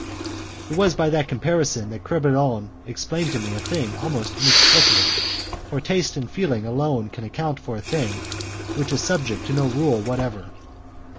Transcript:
It was by that comparison that Crebillon explained to me a thing almost inexplicable, for taste and feeling alone can account for a thing which is subject to no rule whatever.